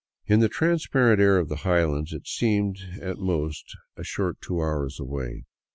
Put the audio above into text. In the transparent air of the highlands it seemed at most a short two hours away.